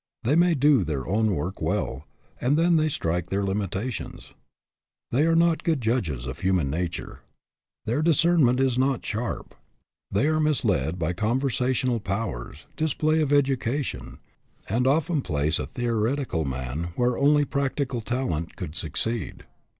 They may do their own work well, and then they strike their limitations. They are not 196 SIZING UP PEOPLE good judges of human nature; their discern ment is not sharp. They are misled by con versational powers, display of education, and often place a theoretical man where only practical talent could succeed.